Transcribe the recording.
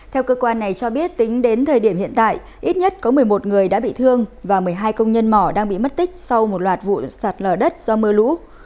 theo cơ quan này cho biết tính đến thời điểm hiện tại ít nhất có một mươi một người đã bị thương và một mươi hai công nhân mỏ đang bị mất tích sau một loạt vụ sạt lở đất do mưa lũ